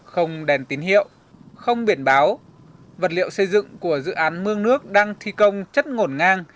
không đèn tín hiệu không biển báo vật liệu xây dựng của dự án mương nước đang thi công chất ngổn ngang